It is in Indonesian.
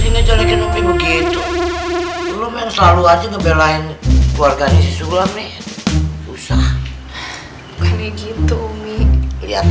belum yang selalu aja ngebelain keluarga disisulam nih usah bukan begitu umi lihat